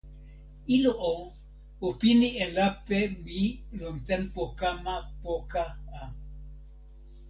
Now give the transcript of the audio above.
ilo o, o pini e lape mi lon tenpo kama poka a.